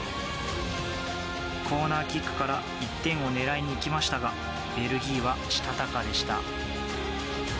コーナーキックから１点を狙いにいきましたがベルギーはしたたかでした。